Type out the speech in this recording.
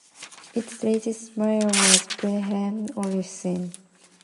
Its latest mayor was Preben Olesen.